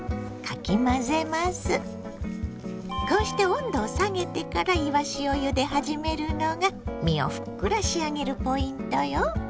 こうして温度を下げてからいわしをゆで始めるのが身をふっくら仕上げるポイントよ。